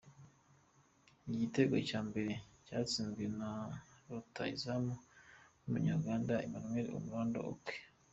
Igitego cya mbere cyatsinzwe na rutahizamu w’umunya-Uganda, Emmanuel Arnold Okwi.